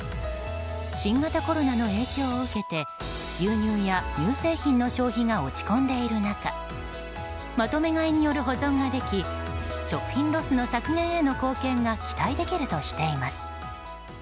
新型コロナの影響を受けて牛乳や乳製品の消費が落ち込んでいる中まとめ買いによる保存ができ食品ロスの削減への貢献が期待できるとしています。